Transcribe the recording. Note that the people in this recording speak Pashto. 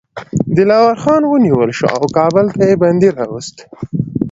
دلاور خان ونیول شو او کابل ته یې بندي راووست.